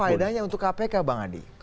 apa validanya untuk kpk bang adi